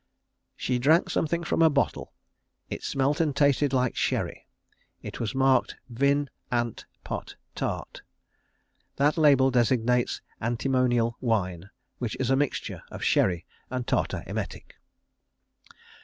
_"She drank something from a bottle." "It smelt and tasted like sherry." "It was marked VIN. ANT. POT. TART." That label designates antimonial wine, which is a mixture of sherry and tartar emetic.